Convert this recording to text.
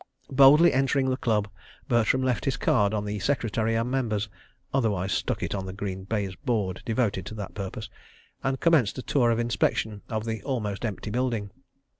Boldly entering the Club, Bertram left his card on the Secretary and Members (otherwise stuck it on a green baize board devoted to that purpose), and commenced a tour of inspection of the almost empty building.